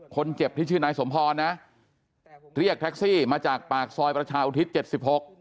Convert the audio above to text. คนเจ็บที่ชื่อนายสมพรนะเรียกแท็กซี่มาจากปากซอยประชาอุทิศเจ็ดสิบหก